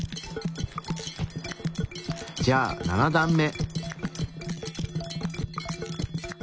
じゃあ７段目。